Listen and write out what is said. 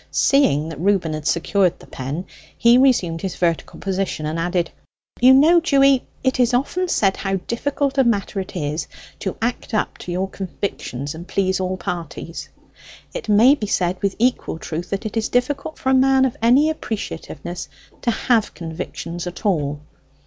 Seeing that Reuben had secured the pen, he resumed his vertical position, and added, "You know, Dewy, it is often said how difficult a matter it is to act up to our convictions and please all parties. It may be said with equal truth, that it is difficult for a man of any appreciativeness to have convictions at all.